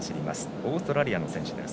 オーストラリアの選手です。